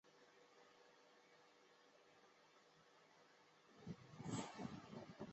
短萼素馨是木犀科素馨属的植物。